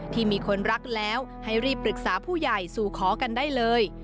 ที่มีคนรักแล้วให้รีบปรึกษาผู้ใหญ่สู่ขอกันได้เลย